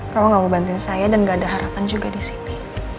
kamu gak mau bantuin saya dan gak ada harapan juga di sini